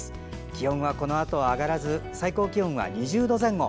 気温はこのあとは上がらず最高気温は２０度前後。